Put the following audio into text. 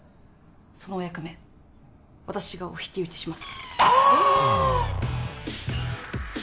そのお役目私がお引き受けしますああ！